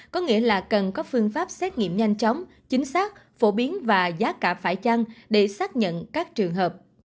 có nghĩa là cần có phương pháp xét nghiệm nhanh chóng chính xác phổ biến và giá cả phải chăng để xác nhận các trường hợp